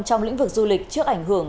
trong lĩnh vực du lịch trước ảnh hưởng